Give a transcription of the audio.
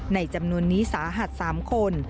ในจำนวนนี้สาหัสสามคน